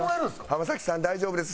浜崎さん大丈夫です。